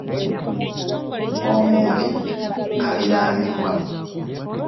Omubejja aliraanibwa.